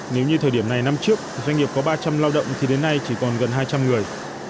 nếu như thời điểm này năm trước doanh nghiệp có ba trăm linh lao động thì đến nay chỉ còn gần hai trăm linh người